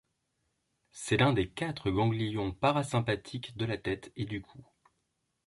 C'est l'un des quatre ganglions parasympathiques de la tête et du cou.